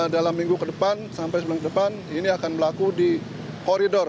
dalam minggu ke depan sampai sebulan ke depan ini akan berlaku di koridor